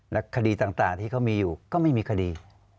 และคดีต่างที่เขามีอยู่ก็ไม่มีคดี